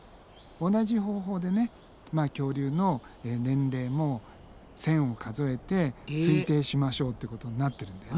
同じ方法でね恐竜の年齢も線を数えて推定しましょうってことになってるんだよね。